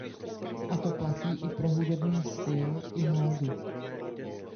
A to platí i pro hudební styl i módu.